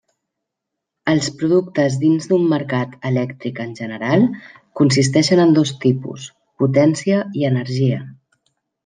Els productes dins d'un mercat elèctric en general, consisteixen en dos tipus: potència i energia.